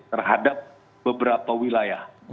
terhadap beberapa wilayah